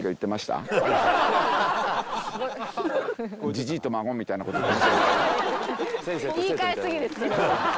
「じじいと孫」みたいな事を言って。